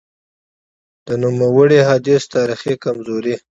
د نوموړي حدیث تاریخي کمزوري :